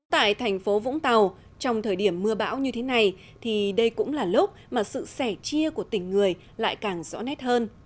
tại thành phố vũng tàu trong thời điểm mưa bão như thế này thì đây cũng là lúc mà sự sẻ chia của tình người lại càng rõ nét hơn